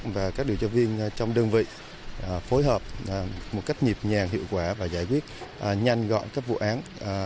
và các điều tra viên trong đơn vị phối hợp một cách nhịp nhàng hiệu quả và giải quyết nhanh gọn các vụ án